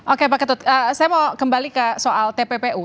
oke pak ketut saya mau kembali ke soal tppu